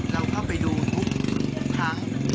เราเข้าไปดูทุกทั้ง